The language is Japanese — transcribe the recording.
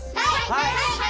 はい！